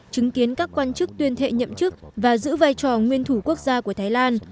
chứng kiến các quan chức tuyên thệ nhậm chức và giữ vai trò nguyên thủ quốc gia của thái lan